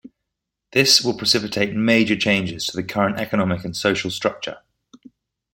This will precipitate major changes to the current economic and social structure.